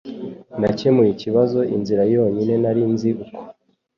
Nakemuye ikibazo inzira yonyine nari nzi uko